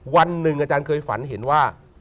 วันหนึ่งอาจารย์เคยฝันเห็นว่า